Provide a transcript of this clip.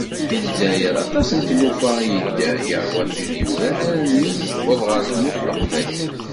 Di lezzayer, aṭas n tlufa i yedder, yerwa tid yuran armi yewweḍ ɣer tmurt n Leqbayel.